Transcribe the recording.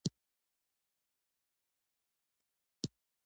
و ما ینطق الهوا ده